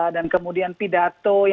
dan kemudian pidaatannya gitu ya